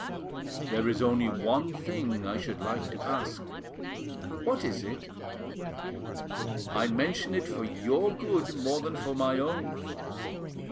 "There is only one thing I should like to ask." "What is it?" "I mention it for your good more than for my own.